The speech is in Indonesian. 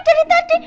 ini dari tadi